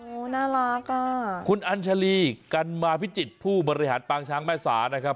โอ้โหน่ารักอ่ะคุณอัญชาลีกันมาพิจิตรผู้บริหารปางช้างแม่สานะครับ